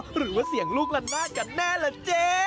หรือว่าเสียงลูกล้านราชกันแน่เหรอเจ๊